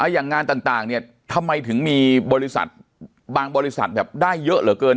อย่างงานต่างเนี่ยทำไมถึงมีบริษัทบางบริษัทแบบได้เยอะเหลือเกิน